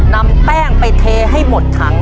นำแป้งไปเทให้หมดถัง